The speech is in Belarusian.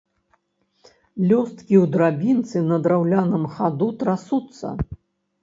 Лёсткі ў драбінцы на драўляным хаду трасуцца.